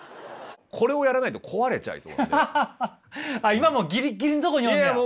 今もギリギリのとこにおんねや。